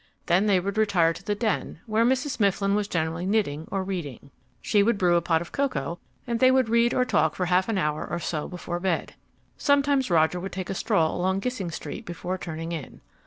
Then they would retire to the den, where Mrs. Mifflin was generally knitting or reading. She would brew a pot of cocoa and they would read or talk for half an hour or so before bed. Sometimes Roger would take a stroll along Gissing Street before turning in.